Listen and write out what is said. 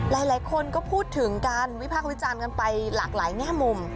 หลายคนก็พูดถึงกันวิพากษ์วิจารณ์กันไปหลากหลายแง่มุม